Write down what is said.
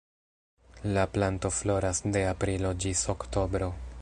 La planto floras de aprilo ĝis oktobro.